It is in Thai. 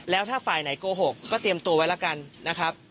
แล้วถ้าฝ่ายไหนโกหกก็เตรียมตัวไว้แล้วกันนะครับ